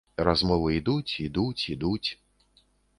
Размовы ідуць, ідуць, ідуць.